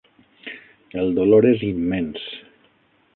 El dolor és immens.